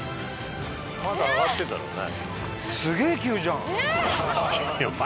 まだ上がってるんだろうね。